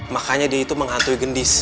makanya dia itu menghantui gendis